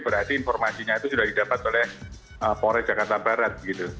berarti informasinya itu sudah didapat oleh polres jakarta barat